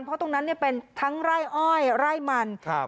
เพราะตรงนั้นเนี่ยเป็นทั้งไร่อ้อยไร่มันครับ